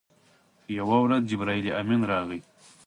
یوه ورځ جبرائیل امین راغی.